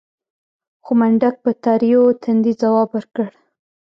خو منډک په تريو تندي ځواب ورکړ.